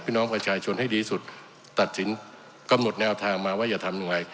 พี่น้องประชาชนให้ดีสุดตัดสินกำหนดแนวทางมาว่าจะทำยังไง